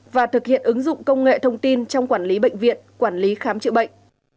và thực hiện ứng dụng công nghệ thông tin trong quản lý bệnh viện quản lý khám chữa bệnh